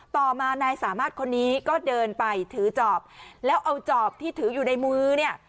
ต่อมานายสามารถคนนี้ก็เดินไปถือจอบแล้วเอาจอบที่ถืออยู่ในมือเนี่ย